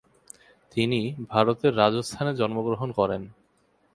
তিনি ভারতের রাজস্থানে জন্মগ্রহণ করেন।